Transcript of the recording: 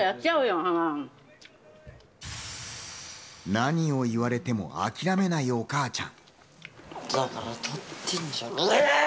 何を言われても諦めないお母ちゃん。